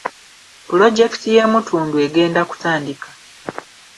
Pulojekiti y’e Mutundwe egenda kutandika.